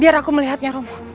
biar aku melihatnya romo